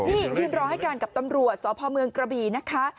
นี่พิมพ์รอให้กันกับตำรวจศพเมืองกระบีนะคะ